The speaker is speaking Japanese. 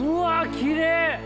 きれい！